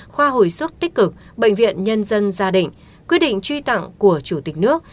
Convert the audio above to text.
khoa hồi sức tích cực bệnh viện nhân dân gia định quyết định truy tặng của chủ tịch nước